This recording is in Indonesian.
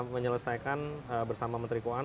menyelesaikan bersama menteri keuangan